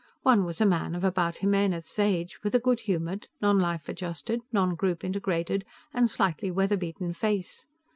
One was a man of about Jimenez's age with a good humored, non life adjusted, non group integrated and slightly weather beaten face.